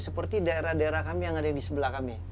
seperti daerah daerah kami yang ada di sebelah kami